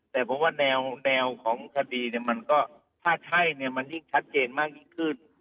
แต่ผมว่าแนวของคดีผ้าใจมันยิ่งชัดเจนมากยิ่งขึ้น